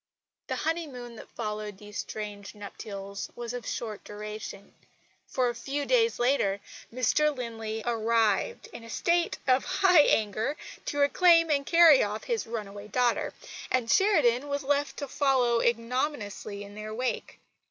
The honeymoon that followed these strange nuptials was of short duration; for, a few days later, Mr Linley arrived, in a high state of anger, to reclaim and carry off his runaway daughter; and Sheridan was left to follow ignominiously in their wake.